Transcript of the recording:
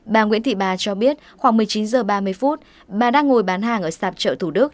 bà nguyễn thị bà cho biết khoảng một mươi chín h ba mươi phút bà đang ngồi bán hàng ở sạp chợ thủ đức